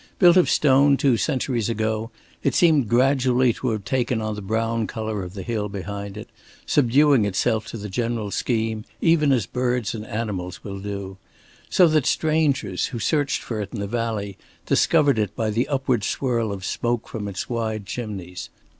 Built of stone two centuries ago, it seemed gradually to have taken on the brown color of the hill behind it, subduing itself to the general scheme, even as birds and animals will do; so that strangers who searched for it in the valley discovered it by the upward swirl of smoke from its wide chimneys.